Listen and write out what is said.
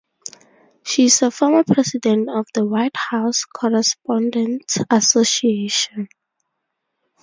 She is a former President of the White House Correspondents' Association.